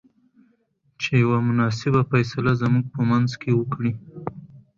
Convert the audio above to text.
چې يوه مناسبه فيصله زموږ په منځ کې وکړۍ.